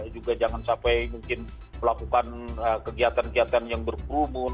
juga jangan sampai mungkin melakukan kegiatan kegiatan yang berkerumun